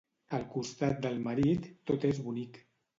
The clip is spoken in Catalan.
Al costat del marit tot és bonic.